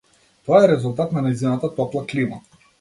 Тоа е резултат на нејзината топла клима.